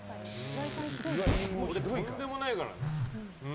俺、とんでもないからね。